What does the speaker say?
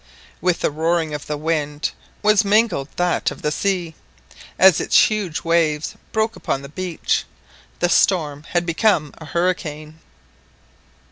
With the roaring of the wind was mingled that of the sea, as its huge waves broke upon the beach. The storm had become a hurricane.